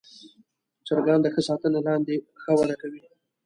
چرګان د ښه ساتنې لاندې ښه وده کوي.